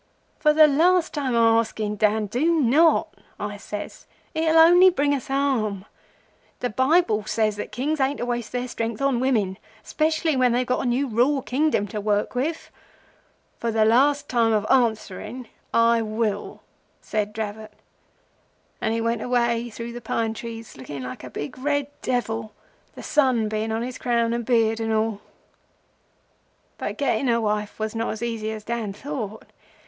"'For the last time o' asking, Dan, do not,' I says. 'It'll only bring us harm. The Bible says that Kings ain't to waste their strength on women, 'specially when they've got a new raw Kingdom to work over.' "'For the last time of answering, I will,' said Dravot, and he went away through the pine trees looking like a big red devil. The low sun hit his crown and beard on one side, and the two blazed like hot coals. "But getting a wife was not as easy as Dan thought.